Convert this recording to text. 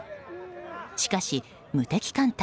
しかし無敵艦隊